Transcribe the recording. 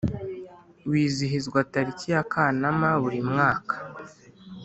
wizihizwa tariki ya kanama buri mwaka